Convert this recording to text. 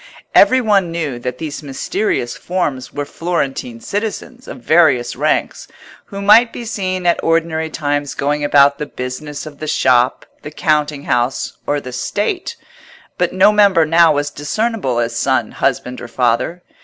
Every one knew that these mysterious forms were Florentine citizens of various ranks, who might be seen at ordinary times going about the business of the shop, the counting house, or the State; but no member now was discernible as son, husband, or father.